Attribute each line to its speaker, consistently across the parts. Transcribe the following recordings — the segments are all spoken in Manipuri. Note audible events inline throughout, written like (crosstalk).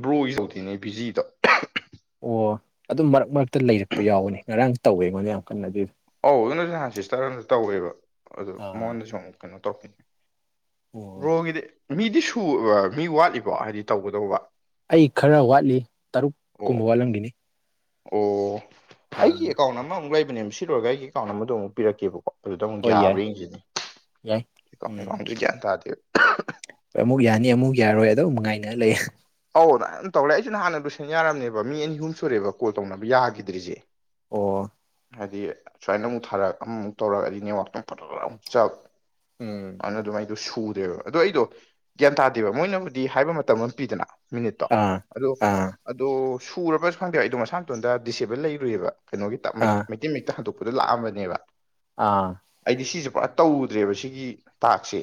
Speaker 1: ꯕ꯭ꯔꯣꯒꯤ (unintelligible) ꯕꯤꯖꯤꯗꯣ
Speaker 2: ꯑꯣ ꯑꯗꯨꯝ ꯃꯔꯛ ꯃꯔꯛꯇ ꯂꯩꯔꯛꯄ ꯌꯥꯎꯕꯅꯦ ꯉꯔꯥꯡ ꯇꯧꯋꯦ ꯑꯩꯉꯣꯟꯗ ꯌꯥꯝ ꯀꯟꯅ ꯑꯗꯨ
Speaker 1: ꯑꯧ ꯑꯗꯨ ꯅꯍꯥꯟ ꯁꯤꯁꯇꯔ ꯑꯃꯗꯁꯨ ꯇꯧꯋꯦꯕ ꯑꯗꯨ
Speaker 2: ꯑꯥ
Speaker 1: ꯃꯉꯣꯟꯗ ꯁꯨꯝ ꯀꯩꯅꯣ ꯇꯧꯈꯤꯕꯅꯦ
Speaker 2: ꯑꯣ
Speaker 1: ꯕ꯭ꯔꯣꯒꯤꯗꯤ ꯃꯤꯗꯤ ꯁꯨ ꯑꯥ ꯃꯤ ꯋꯥꯠꯂꯤꯕꯣ ꯍꯥꯏꯗꯤ ꯇꯧꯒꯗꯧꯕ
Speaker 2: ꯑꯩ ꯈꯔ ꯋꯥꯠꯂꯤ ꯇꯔꯨꯛ
Speaker 1: ꯑꯣ
Speaker 2: ꯀꯨꯝꯕ ꯋꯥꯠꯂꯝꯈꯤꯅꯤ
Speaker 1: ꯑꯣ ꯑꯩꯒꯤ
Speaker 2: ꯑꯥ
Speaker 1: ꯑꯦꯀꯥꯎꯟ ꯑꯃꯃꯨꯛ ꯂꯩꯕꯅꯦ ꯁꯤ ꯂꯣꯏꯔꯒ ꯑꯩꯒꯤ ꯑꯦꯀꯥꯎꯟ ꯑꯃꯗꯣ ꯑꯃꯨꯛ ꯄꯤꯔꯛꯀꯦꯕꯀꯣ ꯑꯗꯨꯗ ꯑꯃꯨꯛ
Speaker 2: ꯍꯣꯏ ꯌꯥꯏ
Speaker 1: ꯌꯥꯕ꯭ꯔꯌꯦꯡꯁꯤꯅꯦ
Speaker 2: ꯌꯥꯏ ꯎꯝ
Speaker 1: ꯇꯥꯗꯦꯕ
Speaker 2: ꯑꯃꯨꯛ ꯌꯥꯅꯤ ꯑꯃꯨꯛ ꯌꯥꯔꯣꯏ ꯑꯗꯨꯝ ꯉꯥꯏꯅ ꯂꯩ
Speaker 1: ꯑꯧ ꯅꯥꯟ ꯇꯧ ꯂꯩ ꯑꯩꯁꯨ ꯅꯥꯟꯅ ꯂꯣꯏꯁꯟ ꯌꯥꯔꯝꯅꯦꯕ ꯃꯤ ꯑꯅꯤ ꯑꯍꯨꯝ ꯁꯨꯔꯦꯕ ꯀꯣꯜ ꯇꯧꯅꯕ ꯌꯥꯈꯤꯗ꯭ꯔꯤꯁꯦ
Speaker 2: ꯑꯣ
Speaker 1: ꯍꯥꯏꯗꯤ ꯁꯨꯃꯥꯏꯅ ꯑꯃꯨꯛ ꯊꯥꯔꯛ ꯑꯃꯃꯨꯛ ꯇꯧꯔꯛ ꯑꯗꯤ ꯅꯦꯠꯋꯥꯛ ꯄꯠ ꯄꯠ (unintelligible) ꯆꯞ
Speaker 2: ꯎꯝ
Speaker 1: ꯑꯅꯥ ꯗꯨꯃꯥꯏ ꯑꯗꯣ ꯁꯨꯗꯦꯕ ꯑꯗꯣ ꯑꯩꯗꯣ ꯒ꯭ꯌꯥꯟ ꯇꯥꯗꯦꯕ ꯃꯣꯏꯅꯕꯨꯗꯤ ꯍꯥꯏꯕ ꯃꯇꯝ ꯑꯃ ꯄꯤꯗꯅ ꯃꯤꯅꯤꯠꯇꯣ
Speaker 2: ꯑꯥ
Speaker 1: ꯑꯗꯣ
Speaker 2: ꯑꯥ
Speaker 1: ꯑꯗꯣ ꯁꯨꯔꯕꯁꯨ ꯈꯪꯗꯦꯕ ꯑꯩꯗꯣ ꯃꯁꯥꯃꯇꯣꯟꯗ ꯗꯤꯁꯑꯦꯕꯜ ꯂꯩꯔꯨꯏꯌꯦꯕ ꯀꯩꯅꯣꯒꯤ ꯇꯥꯏꯞ ꯃꯩ
Speaker 2: ꯑꯥ
Speaker 1: ꯃꯩ ꯃꯩꯇꯩ ꯃꯌ‌ꯦꯛꯇ ꯍꯟꯗꯣꯛꯄꯤꯗꯣ ꯂꯥꯛꯑꯝꯕꯅꯦꯕ
Speaker 2: ꯑꯥ
Speaker 1: ꯑꯩꯗꯤ ꯁꯤꯖ‌ꯦ ꯄꯨꯔꯥ ꯇꯧꯗ꯭ꯔꯦꯕ ꯁꯤꯒꯤ ꯇꯥꯛꯁꯦ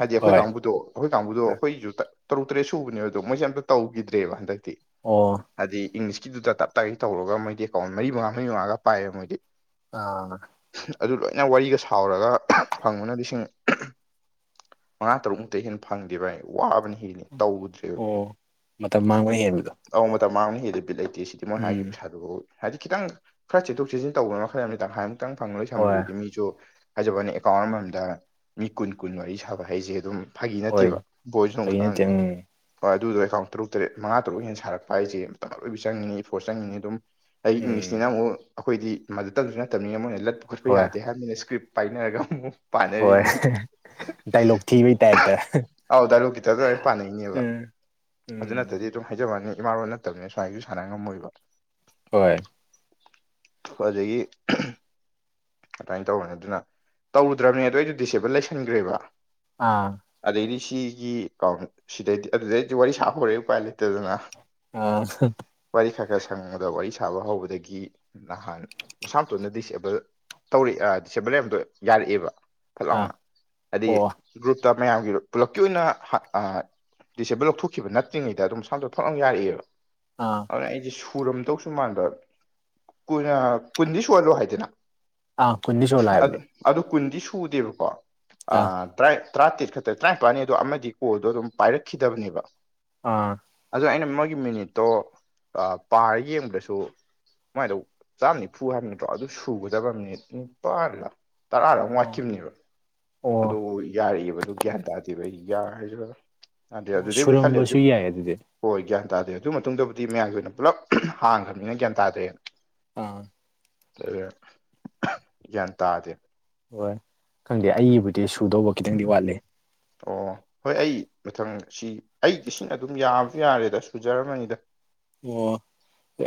Speaker 1: ꯍꯥꯏꯗꯤ ꯑꯩꯈꯣꯏ
Speaker 2: ꯍꯣꯏ
Speaker 1: ꯀꯥꯡꯕꯨꯗꯣ ꯑꯩꯈꯣꯏ ꯀꯥꯡꯕꯨꯗꯣ ꯑꯩꯈꯣꯏꯁꯨ ꯇꯔꯨꯛ ꯇꯔꯦꯠ ꯁꯨꯕꯅꯦꯕꯗꯣ ꯃꯣꯏꯁꯨ ꯑꯝꯇ ꯇꯧꯈꯤꯗ꯭ꯔꯦꯕ ꯍꯟꯗꯛꯇꯤ
Speaker 2: ꯑꯣ
Speaker 1: ꯍꯥꯏꯗꯤ ꯏꯪꯂꯤꯁꯀꯤꯗꯨꯗ ꯇꯞꯇꯥꯒꯤ ꯇꯧꯔꯒ ꯃꯣꯏꯗꯤ ꯑꯦꯀꯥꯎꯟ ꯃꯔꯤ ꯃꯉꯥ ꯃꯔꯤ ꯃꯉꯥꯒ ꯄꯥꯏꯌꯦꯕ ꯃꯣꯏꯗꯤ
Speaker 2: ꯑꯥ
Speaker 1: ꯑꯗꯨ ꯂꯣꯏꯅ ꯋꯥꯔꯤꯒ ꯁꯥꯎꯔꯒ ꯐꯪꯕꯅ ꯂꯤꯁꯤꯡ ꯃꯉꯥ ꯇꯔꯨꯛꯃꯨꯛꯇꯩ ꯍꯦꯟꯅ ꯐꯪꯗꯦ ꯚꯥꯏ ꯋꯥꯕꯅ ꯍꯦꯜꯂꯤ ꯇꯧꯗ꯭ꯔꯦꯕ
Speaker 2: ꯑꯣ ꯃꯇꯝ ꯃꯥꯥꯡꯕꯅ ꯍꯦꯟꯕꯗꯣ
Speaker 1: ꯑꯧ ꯃꯇꯝ ꯃꯥꯡ ꯍꯦꯜꯂꯤ ꯕꯤꯠ ꯂꯩꯇꯦ ꯁꯤꯗꯤ ꯃ‌ꯣꯏ ꯍꯥꯏꯔꯤ
Speaker 2: ꯎꯝ
Speaker 1: ꯄꯩꯁꯥꯗꯣ ꯍꯥꯏꯗꯤ ꯈꯤꯇꯪ ꯈꯔ ꯆꯦꯊꯣꯛ ꯆꯦꯁꯤꯟ ꯇꯧꯕꯗꯨꯅ ꯃꯈꯜ ꯑꯃꯅꯤ ꯇꯪꯈꯥꯏꯃꯨꯛꯇꯪ ꯐꯪꯉꯥ
Speaker 2: ꯍꯣꯏ
Speaker 1: ꯂꯣꯏꯁꯟꯝꯕꯗꯨꯗꯤ ꯃꯤꯖꯨ ꯍꯥꯏꯖꯕꯨꯋꯅ‌ꯦ ꯑꯦꯀꯥꯎꯟ ꯑꯃꯃꯝꯗ ꯃꯤ ꯀꯨꯟ ꯀꯨꯟ ꯃꯔꯤ ꯁꯥꯕ ꯍꯩꯖ‌ꯦ ꯑꯗꯨꯝ ꯐꯥꯒꯤ
Speaker 2: ꯍꯣꯏ
Speaker 1: ꯅꯠꯇꯦꯕ ꯕ꯭ꯔ‌ꯣꯖꯨ ꯑꯗꯨꯝ
Speaker 2: ꯐꯒꯤ ꯅꯠꯇꯦ
Speaker 1: ꯈꯪꯉꯝꯅꯤ
Speaker 2: ꯎꯝ
Speaker 1: ꯍꯣꯏ ꯑꯗꯨꯗꯣ ꯑꯦꯀꯥꯎꯟ ꯇꯔꯨꯛ ꯇꯔꯦꯠ ꯃꯉꯥ ꯇꯔꯨꯛ ꯍꯦꯟꯅ ꯁꯥꯔꯛꯄ ꯍꯥꯏꯁꯦ ꯃꯇꯝ ꯑꯔꯣꯏꯕꯤ ꯆꯪꯉꯤꯅꯤ ꯏꯐꯣꯔꯠ ꯆꯪꯉꯤꯅꯤ ꯑꯗꯨꯝ ꯑꯩ
Speaker 2: ꯎꯝ
Speaker 1: ꯏꯪꯂꯤꯁꯅꯤꯅ ꯑꯃꯨꯛ ꯑꯩꯈꯣꯏꯗꯤ ꯃꯗꯨꯇꯪꯁꯨ ꯅꯠꯇꯕꯅꯤꯅ ꯃꯣꯏꯅ ꯂꯠꯄ ꯈꯣꯠꯄ
Speaker 2: ꯍꯣꯏ
Speaker 1: ꯌꯥꯗꯦ ꯍꯥꯏꯕꯅꯤꯅ ꯏꯁꯀ꯭ꯔꯤꯞ ꯄꯥꯏꯅꯔꯒ ꯑꯃꯨꯛ
Speaker 2: ꯍꯣꯏ
Speaker 1: ꯄꯥꯅꯔꯤꯅꯤ
Speaker 2: ꯗꯥꯏꯂꯣꯛ ꯊꯤꯕꯩ ꯇꯥꯏꯞꯇ
Speaker 1: ꯑꯧ ꯗꯥꯏꯂ‌ꯣꯛꯀꯤ ꯇꯥꯏꯐꯇ ꯗꯨꯃꯥꯏ ꯄꯥꯅꯩꯅꯦꯕ
Speaker 2: ꯎꯝ
Speaker 1: ꯑꯗꯨ
Speaker 2: ꯎꯝ
Speaker 1: ꯅꯠꯇꯗꯤ ꯑꯗꯨꯝ ꯍꯥꯏꯖꯕꯨꯋꯅꯤ ꯏꯃꯥꯔꯣꯟ ꯅꯠꯇꯕꯅꯤ ꯁ꯭ꯃꯥꯏꯁꯨ ꯁꯥꯟꯅ ꯉꯝꯃꯣꯏꯕ
Speaker 2: ꯍꯣꯏ
Speaker 1: (unintelligible) ꯑꯗꯒꯤ ꯑꯗꯨꯃꯥꯏꯅ ꯇꯧꯔꯅꯤ ꯑꯗꯨꯅ ꯇꯧꯗ꯭ꯔꯕꯅꯦ ꯑꯗꯨꯗ ꯑꯩꯗꯣ ꯗꯤꯁꯑꯦꯕꯜ ꯂꯩꯁꯟꯈ꯭ꯔꯦꯕ
Speaker 2: ꯑꯥ
Speaker 1: ꯑꯗꯩꯗꯤ ꯁꯤꯒꯤ ꯑꯦꯀꯥꯎꯟ ꯁꯤꯗꯩꯗꯤ ꯑꯗꯨꯗꯩꯗꯤ ꯋꯥꯔꯤ ꯁꯥꯕ ꯍꯧꯧꯔꯛꯑꯦ ꯎꯄꯥꯏ ꯂꯩꯇꯗꯅ
Speaker 2: ꯑ
Speaker 1: ꯋꯥꯔꯤ ꯈꯔ ꯈꯔ ꯁꯪꯕꯗ ꯋꯥꯔꯤ ꯁꯥꯕ ꯍꯧꯕꯗꯒꯤ ꯅꯍꯥꯟ ꯃꯁꯥ ꯃꯊꯣꯟꯇ ꯗꯤꯁꯑꯦꯕꯜ ꯇꯧꯔꯤꯛ ꯗꯤꯁꯦꯝꯕꯔ ꯂꯩꯕꯗꯣ ꯌꯥꯔꯛꯑꯦꯕ ꯐꯠ
Speaker 2: ꯑꯥ
Speaker 1: ꯂꯥꯎꯅ ꯍꯥꯏꯗꯤ
Speaker 2: ꯑꯣ
Speaker 1: ꯒ꯭ꯔꯨꯞꯇ ꯃꯌꯥꯝꯒꯤ ꯄꯨꯂꯞꯀꯤ ꯑꯣꯏꯅ (unintelligible) ꯗꯤꯁꯦꯕꯜ ꯂꯧꯊꯣꯛꯈꯤꯕ ꯅꯠꯇ꯭ꯔꯤꯉꯗ ꯑꯗꯨꯝꯁꯥꯝꯗ ꯐꯣꯔ ꯑꯃ ꯌꯥꯔꯛꯑꯦꯕ
Speaker 2: ꯑꯥ
Speaker 1: ꯑꯗꯨ ꯑꯩꯁꯦ ꯁꯨꯔꯝꯗꯧꯁꯨ ꯃꯥꯟꯕ ꯀꯨꯟꯗꯤ ꯁꯨꯍꯜꯂꯣ ꯍꯥꯏꯗꯅ
Speaker 2: ꯑꯥ ꯀꯨꯟꯗꯤ ꯁꯨꯍꯜꯂ‌ꯣ
Speaker 1: ꯑꯗꯨ
Speaker 2: ꯍꯥꯏꯕꯅ‌ꯦ
Speaker 1: ꯑꯗꯨ ꯀꯨꯟꯗꯤ ꯁꯨꯗꯦꯕꯀꯣ
Speaker 2: ꯑꯥ
Speaker 1: (unintelligible) ꯇꯔꯥꯇꯔꯦꯠ ꯈꯛ ꯇꯔꯥꯅꯤꯄꯥꯜꯅꯤꯗꯣ ꯑꯃꯗꯤ ꯀꯣꯜꯗꯣ ꯑꯗꯨꯝ ꯄꯥꯏꯔꯛꯈꯤꯗꯕꯅꯦꯕ
Speaker 2: ꯑꯥ
Speaker 1: ꯑꯗꯨꯅ ꯑꯩꯅ ꯃꯣꯏꯒꯤ ꯃꯤꯅꯤꯠꯇꯣ ꯄꯥꯔ ꯌꯦꯡꯕꯗꯁꯨ ꯃꯣꯏꯗꯨ ꯆꯥꯝꯃ ꯅꯤꯐꯨ ꯍꯥꯏꯕ ꯅꯠꯇ꯭ꯔꯣ ꯑꯗꯨ ꯁꯨꯒꯗꯕ ꯃꯤꯅꯤꯠ ꯅꯤꯄꯥꯜ ꯂ ꯇꯔꯥ ꯂ ꯋꯥꯠꯈꯤꯕꯅꯦꯕ ꯑꯗꯨ
Speaker 2: ꯑꯣ
Speaker 1: ꯌꯥꯔꯛꯏꯕꯗꯨ ꯒ꯭ꯌꯥꯟ ꯇꯥꯗꯦꯕ ꯑꯩ ꯌꯥ ꯍꯥꯏꯁꯤ
Speaker 2: ꯑꯣ ꯁꯨꯔꯝꯕꯁꯨ ꯌꯥꯏ ꯑꯗꯨꯗꯤ
Speaker 1: (unintelligible) ꯍꯣꯏ ꯒ꯭ꯌꯥꯟ ꯇꯥꯗ꯭ꯔꯦ ꯑꯗꯨ ꯃꯇꯨꯡꯗꯕꯨꯗꯤ ꯃꯌꯥꯝꯒꯤ ꯑꯣꯏꯅ ꯄꯨꯂꯞ ꯍꯥꯡꯈ꯭ꯔꯕꯅꯤꯅ ꯒ꯭ꯌꯥꯟ ꯇꯥꯗ꯭ꯔꯦ
Speaker 2: ꯑꯥ
Speaker 1: (unintelligible) (unintelligible) ꯒ꯭ꯌꯥꯟ ꯇꯥꯗꯦ
Speaker 2: ꯍꯣꯏ ꯈꯪꯗꯦ ꯑꯩꯒꯤꯕꯨꯗꯤ ꯁꯨꯗꯧꯕ ꯈꯤꯇꯪꯗꯤ ꯋꯥꯠꯂꯤ
Speaker 1: ꯑꯣ ꯍꯣꯏ ꯑꯩ ꯃꯊꯪ ꯁꯤ ꯑꯩꯗꯤ ꯁꯤꯅ ꯑꯗꯨꯝ ꯌꯥꯕꯖꯨ ꯌꯥꯔꯦꯗ ꯁꯨꯖꯔꯝꯃꯅꯤꯗ
Speaker 2: ꯑꯣ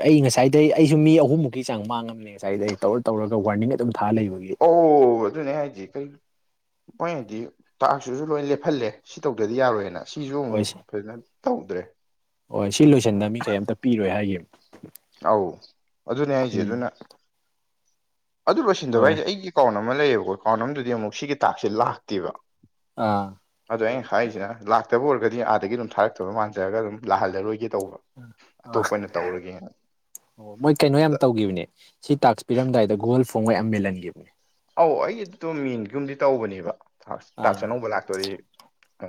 Speaker 2: ꯑꯩ ꯉꯁꯥꯏꯗꯩ ꯑꯩꯁꯨ ꯃꯤ ꯑꯍꯨꯝꯃꯨꯛꯀꯤ ꯆꯥꯡ ꯃꯥꯡꯉꯝꯃꯦ ꯉꯁꯥꯏꯗ ꯑꯩ ꯇꯧꯔ ꯇꯧꯔꯒ ꯋꯥꯔꯅꯤꯡ ꯑꯗꯨꯝ ꯊꯥ ꯂꯩꯕꯒꯤ
Speaker 1: ꯑꯣ ꯑꯗꯨꯅꯦ ꯍꯥꯏꯖꯦ ꯃꯣꯏꯅꯗꯤ ꯊꯥꯛꯁꯤꯖꯨ ꯂꯣꯏ ꯂꯦꯞꯍꯜꯂꯦ ꯁꯤ ꯇꯧꯗ꯭ꯔꯗꯤ ꯌꯥꯔꯣꯏꯅ ꯁꯤꯖꯨ
Speaker 2: ꯍꯣꯏ
Speaker 1: ꯑꯃꯨꯛ ꯐꯖꯅ ꯇꯧꯗ꯭ꯔꯦ
Speaker 2: ꯍꯣꯏ ꯁꯤ ꯂꯣꯏꯁꯤꯟꯗ ꯃꯤ ꯀꯩ ꯑꯝꯇ ꯄꯤꯔꯣꯏ ꯍꯥꯏꯒꯤꯝ
Speaker 1: ꯑꯧ ꯑꯗꯨꯅꯦ ꯍꯥꯏꯖꯦ ꯑꯗꯨꯅ ꯑꯗꯨ ꯂꯣꯏꯁꯤꯟꯗꯕ
Speaker 2: ꯍꯣꯏ
Speaker 1: ꯍꯥꯏꯖꯦ ꯑꯩꯒꯤ ꯑꯦꯀꯥꯎꯟ ꯑꯃ ꯂꯩꯌꯦꯕꯀꯣ ꯑꯦꯀꯥꯎꯟ ꯑꯃꯗꯨꯗꯤ ꯑꯃꯨꯛ ꯁꯤꯒꯤ ꯇꯥꯛꯁꯦ ꯂꯥꯛꯇꯦꯕ
Speaker 2: ꯑꯥ
Speaker 1: ꯑꯗ ꯑꯩꯅ ꯍꯥꯏꯔꯤꯗꯤꯅ ꯂꯥꯛꯇꯕ ꯑꯣꯏꯔꯒꯗꯤ ꯑꯥꯗꯒꯤ ꯑꯗꯨꯝ ꯊꯥꯔꯛꯇꯕ ꯃꯥꯟꯖꯔꯒ ꯑꯗꯨꯝ ꯂꯥꯛꯍꯜꯂꯔꯣꯏꯒꯦ ꯇꯧꯕ
Speaker 2: ꯑꯥ
Speaker 1: ꯑꯇꯣꯞꯄ ꯑꯣꯏꯅ ꯇꯧꯔꯒꯦꯅ
Speaker 2: ꯑꯣ ꯃꯣꯏ ꯀꯩꯅꯣ ꯌꯥꯝ ꯇꯧꯒꯤꯕꯅꯦ ꯁꯤ ꯇꯥꯛꯁ ꯄꯤꯔꯝꯗꯥꯏꯗ ꯒꯨꯒꯜ ꯐꯣꯝꯒ ꯌꯥꯝ ꯃꯦꯟꯍꯟꯈꯤꯕꯅꯦ
Speaker 1: ꯑꯧ ꯑꯩꯒꯤꯗꯨ ꯃꯤꯟꯒꯨꯝꯗꯤ ꯇꯧꯕꯅꯦꯕ ꯇꯥꯛꯁ
Speaker 2: ꯑꯥ
Speaker 1: ꯑꯅꯧꯕ ꯂꯥꯛꯇꯣꯔꯤ ꯑ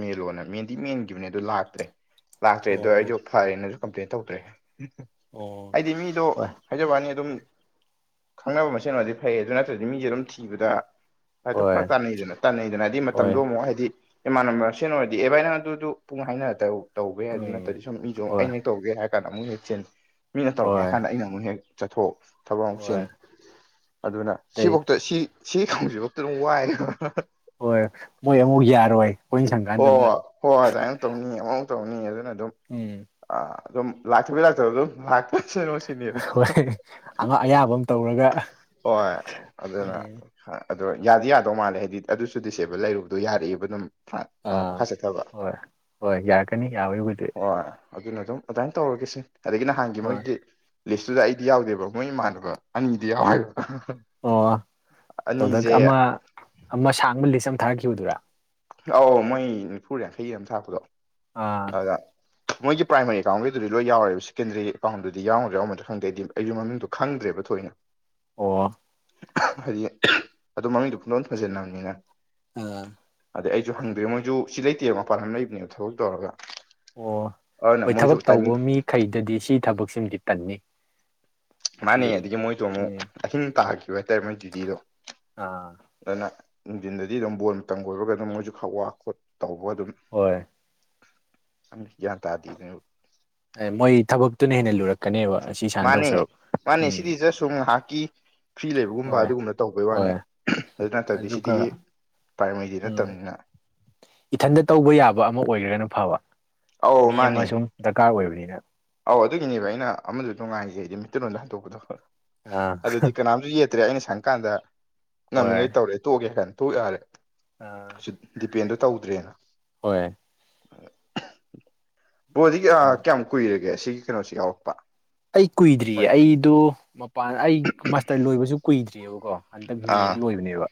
Speaker 1: ꯃꯦꯟꯂꯣꯅ ꯃꯦꯟꯗꯤ ꯃꯦꯟꯒꯤꯕꯅꯦ ꯑꯗꯨ ꯂꯥꯛꯇ꯭ꯔꯦ ꯂꯥꯛꯇ꯭ꯔꯦ ꯗꯣ
Speaker 2: ꯑꯣ
Speaker 1: ꯑꯩꯖꯨ ꯐꯔꯦꯅꯁꯨ ꯀꯝꯄ꯭ꯂꯦꯟ ꯇꯧꯗ꯭ꯔꯦ
Speaker 2: ꯑꯣ
Speaker 1: ꯑꯩꯗꯤ ꯃꯤꯗꯣ
Speaker 2: ꯍꯣꯏ
Speaker 1: ꯍꯥꯏꯖꯕꯅꯤ ꯑꯗꯨꯝ ꯈꯪꯅꯕ ꯃꯁꯦꯟ ꯑꯣꯏꯔꯗꯤ ꯐꯩ ꯑꯗꯨ ꯅꯠꯇ꯭ꯔꯗꯤ ꯃꯤꯖꯦ ꯑꯗꯨꯝ ꯊꯤꯕꯗ (unintelligible)
Speaker 2: ꯍꯣꯏ
Speaker 1: ꯐꯔꯛ ꯇꯥꯟꯅꯩꯗꯅ ꯇꯥꯟꯅꯩꯗꯅ ꯍꯥꯏꯗꯤ
Speaker 2: ꯍꯣꯏ
Speaker 1: ꯃꯇꯝꯗꯣ ꯑꯃꯨꯛ ꯍꯥꯏꯗꯤ ꯏꯃꯥꯟꯅꯕ ꯃꯁꯦꯟ ꯑꯣꯏꯔꯗꯤ ꯑꯦ ꯕꯥꯏ ꯅꯪ ꯑꯗꯨꯗꯨ ꯑꯗꯨꯝ ꯍꯥꯏꯅ ꯇꯧ ꯇꯧꯕ ꯌꯥꯏ ꯑꯗꯨ
Speaker 2: ꯎꯝ
Speaker 1: ꯅꯠꯇꯗꯤ ꯁꯨꯝ ꯃꯤꯗꯣ
Speaker 2: ꯍꯣꯏ
Speaker 1: ꯑꯩꯅ ꯇꯧꯒꯦ ꯍꯥꯏꯔ ꯀꯥꯟꯗ ꯑꯃꯨꯛ ꯍꯦꯛ ꯆꯤꯟ ꯃꯤꯅ ꯇꯧꯔꯒꯦ ꯍꯥꯏꯔ
Speaker 2: ꯍꯣꯏ
Speaker 1: ꯀꯥꯟꯗ ꯑꯩꯅ ꯑꯃꯨꯛ ꯍꯦꯛ ꯆꯠꯊꯣꯛ ꯊꯕꯛ ꯑꯃꯨꯛ ꯆꯤꯟ
Speaker 2: ꯍꯣꯏ
Speaker 1: ꯑꯗꯨꯅ
Speaker 2: ꯑꯇꯩ
Speaker 1: ꯁꯤꯕꯧꯗ ꯁꯤ ꯁꯤ ꯈꯨꯝꯕꯖꯤꯕꯧꯇ ꯑꯗꯨꯝ ꯋꯥꯏꯑꯦꯕ
Speaker 2: ꯍꯣꯏ ꯃꯣꯏ ꯑꯃꯨꯛ ꯌꯥꯔꯣꯏ ꯑꯩꯈꯣꯏ
Speaker 1: ꯍꯣꯏ
Speaker 2: ꯁꯪꯉꯀꯥꯟꯗꯅ
Speaker 1: ꯍꯣꯏ ꯑꯗꯨꯗꯥꯃꯥꯏ ꯇꯧꯅꯤ ꯑꯃꯃꯨꯛ ꯇꯧꯅꯤ ꯑꯗꯨꯅ ꯑꯗꯨꯝ
Speaker 2: ꯎꯝ
Speaker 1: ꯑ ꯑꯗꯨꯝ ꯂꯥꯛꯇꯕꯩ ꯂꯥꯛꯇꯕ ꯑꯗꯨ ꯂꯥꯛ
Speaker 2: ꯍꯣꯏ ꯑꯌꯥꯝꯕ ꯑꯃ ꯇꯧꯔꯒ
Speaker 1: ꯍ ꯑꯗꯨꯗꯅ ꯑꯗꯣ ꯌꯥꯗꯤ ꯌꯥꯗꯧ ꯃꯥꯜꯂꯦ ꯍꯥꯏꯗꯤ ꯑꯗꯨꯁꯨ ꯗꯤꯁꯑꯦꯕꯜ ꯂꯩꯔꯨꯕꯗꯣ ꯌꯥꯔꯛꯏꯕ ꯑꯗꯨꯝ ꯑ ꯃꯈꯥ
Speaker 2: ꯑꯥ
Speaker 1: ꯆꯠꯊꯕ
Speaker 2: ꯍꯣꯏ ꯍꯣꯏ ꯌꯥꯔꯛꯀꯅꯤ ꯌꯥꯕꯒꯤꯕꯨꯗꯤ
Speaker 1: ꯑꯣ ꯑꯗꯨꯅ ꯑꯗꯨꯝ ꯑꯗꯨꯃꯥꯏꯅ ꯇꯧꯔꯒꯦ ꯁꯤ ꯑꯗꯒꯤ ꯅꯍꯥꯟꯒꯤ
Speaker 2: ꯍꯣꯏ
Speaker 1: ꯃꯣꯏꯒꯤ ꯂꯤꯁꯇꯨꯗ ꯑꯩꯗꯤ ꯌꯥꯎꯗꯦꯕ ꯃꯣꯏ ꯏꯃꯥꯟꯅꯕ ꯑꯅꯤꯗꯤ ꯌꯥꯎ ꯍꯥꯏꯕ
Speaker 2: ꯑꯣ ꯇꯧꯗꯛ ꯑꯃ ꯑꯃ ꯁꯥꯡꯕ ꯂꯤꯁ ꯑꯃ ꯊꯥꯔꯛꯈꯤꯕꯗꯨꯔꯥ
Speaker 1: ꯑꯧ ꯃꯣꯏ ꯅꯤꯐꯨ ꯌꯥꯡꯈꯩꯒꯤ ꯌꯥꯝ ꯊꯥꯛꯄꯗꯣ
Speaker 2: ꯑꯥ
Speaker 1: ꯑꯗꯨꯗ ꯃꯣꯏꯒꯤ ꯄꯥꯏꯥꯔꯤ ꯑꯦꯀꯥꯎꯟꯒꯤꯗꯨꯗꯤ ꯂꯣꯏ ꯌꯥꯎꯔꯦꯕ ꯁꯦꯀꯦꯟꯗꯔꯤ ꯑꯦꯀꯥꯎꯟꯗꯨꯗꯤ ꯌꯥꯎꯔꯣꯏ꯭ꯔ ꯌꯥꯎꯔꯗ꯭ꯔ ꯈꯪꯗꯗꯤ ꯑꯩꯒꯤ ꯃꯡꯗꯨꯣ ꯈꯪꯗ꯭ꯔꯦꯕ ꯊꯣꯏꯅ
Speaker 2: ꯑꯣ
Speaker 1: ꯍꯥꯏꯗꯤ ꯑꯗꯨ ꯃꯃꯤꯡꯗꯨꯣ ꯈꯣꯟꯗꯣꯟ ꯊꯣꯟꯖꯤꯟꯅꯕꯅꯤꯅ
Speaker 2: ꯑꯣꯥ
Speaker 1: ꯑꯗꯩ ꯑꯩꯁꯨ ꯍꯪꯗꯣꯏꯦ ꯃꯣꯏꯁꯨ ꯁꯤ ꯂꯩꯇꯦꯕ ꯃꯄꯥꯟ ꯂꯝ ꯂꯩꯕꯅꯦꯕ ꯊꯕꯛ ꯇꯧꯔꯒ
Speaker 2: ꯑꯣ
Speaker 1: ꯑꯗꯨꯅ
Speaker 2: ꯍꯣꯏ
Speaker 1: ꯃꯣꯏꯁꯨ
Speaker 2: ꯊꯕꯛ
Speaker 1: ꯇꯥꯏꯃꯤꯡ
Speaker 2: ꯇꯧꯕ ꯃꯤꯈꯩꯗꯗꯤ ꯁꯤ ꯊꯕꯛꯁꯤꯃꯗꯤ ꯇꯟꯅꯤ
Speaker 1: ꯃꯥꯅꯦ
Speaker 2: ꯍꯥꯏꯗꯤ
Speaker 1: ꯑꯗꯒꯤ ꯃꯣꯏꯗꯣ ꯑꯃꯨꯛ
Speaker 2: ꯎꯝ
Speaker 1: ꯑꯊꯤꯡ ꯄꯥꯍꯛꯈꯤꯕ ꯍꯥꯏꯇꯥꯔꯦ ꯃꯣꯏ ꯗꯤꯗꯣ
Speaker 2: ꯑꯥ
Speaker 1: ꯑꯗꯨꯅ ꯏꯟꯖꯤꯟꯗꯗꯤ ꯑꯗꯨꯝ ꯕꯣꯜ ꯃꯇꯝ ꯀꯣꯏꯕꯒ ꯑꯗꯨꯝ ꯃꯣꯏꯁꯨ ꯈꯋꯥ ꯈꯣꯠ ꯇꯧꯕ ꯑꯗꯨꯝ
Speaker 2: ꯍꯣꯏ
Speaker 1: ꯌꯥ ꯇꯥꯗꯗ
Speaker 2: ꯃꯣꯏ ꯊꯕꯛꯇꯨꯅ ꯍꯦꯟꯅ ꯂꯨꯔꯛꯀꯅꯦꯕ ꯑꯁꯤ ꯏꯁꯥꯅ ꯇꯧꯁꯔ ꯎꯝ
Speaker 1: ꯁ ꯍꯥꯀꯤ ꯐ꯭ꯔꯤ ꯂꯩꯕꯒꯨꯝꯕ
Speaker 2: ꯍꯣꯏ
Speaker 1: ꯑꯗꯨꯒꯨꯝꯅ ꯇꯧꯕꯩ ꯋꯥꯅꯤ
Speaker 2: ꯍꯣꯏ
Speaker 1: ꯑꯗꯨ ꯅꯠꯇꯕꯗꯤ ꯁꯤꯗꯤ
Speaker 2: ꯑꯗꯨꯒ
Speaker 1: ꯄ꯭ꯔꯥꯏꯃꯔꯤꯗꯤ
Speaker 2: ꯎꯝ
Speaker 1: ꯅꯠꯇꯕꯅꯤꯅ
Speaker 2: ꯏꯊꯟꯇ ꯇꯧꯕ ꯌꯥꯕ ꯑꯃ ꯑꯣꯏꯈ꯭ꯔꯒꯅ ꯐꯕ
Speaker 1: ꯑꯧ
Speaker 2: ꯃꯤ
Speaker 1: ꯃꯥꯅꯤ
Speaker 2: ꯑꯃꯁ ꯁ ꯗꯔꯀꯥꯔ ꯑꯣꯏꯕꯅꯤꯅ
Speaker 1: ꯑꯧ ꯑꯗꯨꯒꯤꯅꯦꯕ ꯑꯩꯅ ꯑꯃꯁꯨ ꯅꯨꯡꯉꯥꯏꯖꯩ ꯍꯥꯏꯗꯤ ꯃꯤꯇꯜꯂꯣꯟꯗ ꯍꯟꯗꯣꯛꯄꯗꯣ
Speaker 2: ꯑꯥ
Speaker 1: ꯑꯗꯨꯗꯤ ꯀꯅꯥꯝꯁꯨ ꯌꯦ ꯆꯇ꯭ꯔꯦ ꯑꯩꯅ ꯁꯪꯀꯥꯟꯗ
Speaker 2: ꯍꯣꯏ
Speaker 1: ꯉꯝꯃꯤꯉꯩ ꯇꯧꯔꯦ ꯇꯣꯛꯑꯒꯦ ꯍꯥꯏꯥꯟ ꯇꯣꯛ ꯌꯥꯔꯦ
Speaker 2: ꯑꯥ
Speaker 1: ꯗꯤꯄꯦꯟꯗꯣ ꯇꯧꯗ꯭ꯔꯦꯅ
Speaker 2: ꯍꯣꯏ
Speaker 1: ꯄꯣꯗꯤ
Speaker 2: ꯎꯝ
Speaker 1: ꯀꯌꯥꯝ ꯀꯨꯏꯔꯒꯦ ꯁꯤꯒꯤ ꯀꯩꯅꯣꯁꯤ ꯌꯥꯎꯔꯛꯄ
Speaker 2: ꯑꯩ ꯀꯨꯏꯗ꯭ꯔꯤꯌꯦ
Speaker 1: ꯍꯣꯏ
Speaker 2: ꯑꯩꯗꯣ ꯃꯄꯥꯟ ꯑꯩ ꯃꯥꯁꯇꯔ ꯂꯣꯏꯕꯁꯨ ꯀꯨꯏꯗ꯭ꯔꯤꯑꯕꯀꯣ ꯍꯟꯗꯛ ꯃꯦꯅ
Speaker 1: ꯑ
Speaker 2: ꯂꯣꯏꯕꯅꯦꯕ